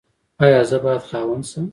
ایا زه باید خاوند شم؟